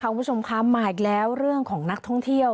คุณผู้ชมคะมาอีกแล้วเรื่องของนักท่องเที่ยว